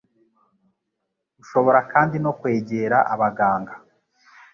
Ushobora kandi no kwegera abaganga